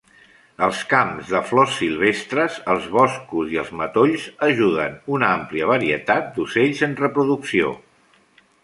Els camps de flors silvestres, els boscos i els matolls ajuden una àmplia varietat d'ocells en reproducció.